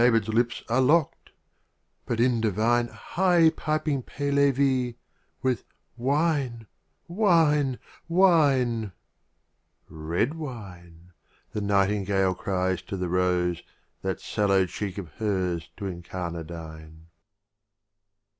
And David's lips are lockt ; but in Rubh'iyat divine High piping Pehlevi, with " Wine ! Winel Wine! " Red Wine !"— the Nightingale cries to the Rose That sallow cheek of hers to* in carnadine.